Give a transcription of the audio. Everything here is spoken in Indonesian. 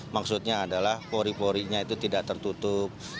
maksudnya adalah pori porinya itu tidak tertutup